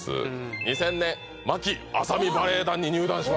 ２０００年牧阿佐美バレヱ団に入団します